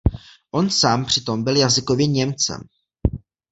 On sám přitom byl jazykově Němcem.